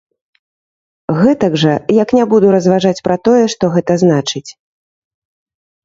Гэтак жа, як не буду разважаць пра тое, што гэта значыць.